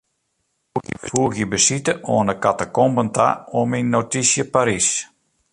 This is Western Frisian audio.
Foegje besite oan 'e katakomben ta oan myn notysje Parys.